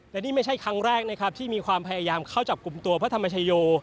และนี่ไม่ใช่ครั้งแรกนะครับที่มีความพยายามเข้าจับกลุ่มตัวพระธรรมชโย